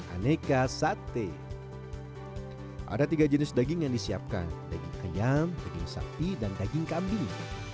aneka sate ada tiga jenis daging yang disiapkan daging kenyam daging sapi dan daging kambing